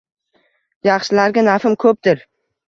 Yaxshilarga nafim ko‘pdir.